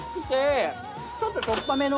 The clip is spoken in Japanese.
ちょっとしょっぱめの。